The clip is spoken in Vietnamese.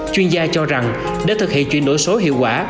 chuyên gia cho rằng để thực hiện chuyển đổi số hiệu quả